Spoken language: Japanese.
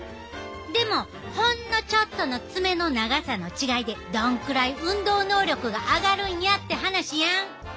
でもほんのちょっとの爪の長さの違いでどんくらい運動能力が上がるんやって話やん。